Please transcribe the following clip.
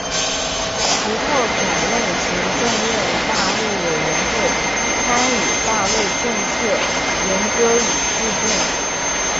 其后转任行政院大陆委员会参与大陆政策研究与制定。